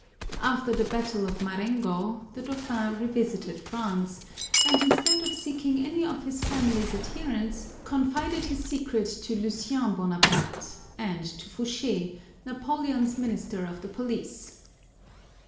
After the battle of Marengo the dauphin revisited France, and instead of seeking any of his family's adherents, confided his secret to Lucien Bonaparte, and to Fouché, Napoleon's Minister of the Police.